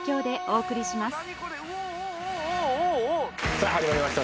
さぁ始まりました